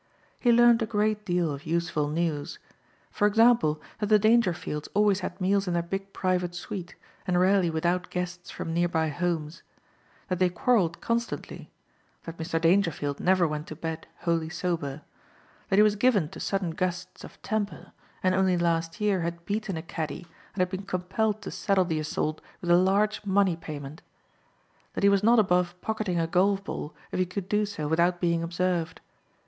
He learned a great deal of useful news. For example, that the Dangerfields always had meals in their big private suite and rarely without guests from nearby homes. That they quarreled constantly. That Mr. Dangerfield never went to bed wholly sober. That he was given to sudden gusts of temper and only last year had beaten a caddie and had been compelled to settle the assault with a large money payment. That he was not above pocketing a golf ball if he could do so without being observed.